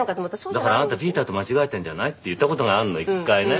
だから「あなたピーターと間違えてんじゃない？」って言った事があるの１回ね。